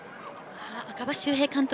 赤羽周平監督